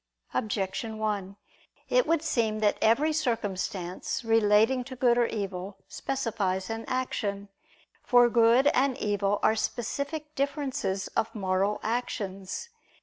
Objection 1: It would seem that every circumstance relating to good or evil, specifies an action. For good and evil are specific differences of moral actions.